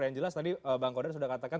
yang jelas tadi bang kodar sudah katakan